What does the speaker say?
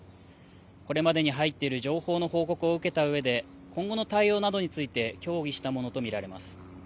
これまでに入っている情報の報告を受けたうえで、今後の対応などについて協議したものと見られます。